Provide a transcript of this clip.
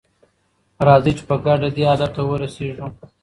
راځئ چې په ګډه دې هدف ته ورسیږو.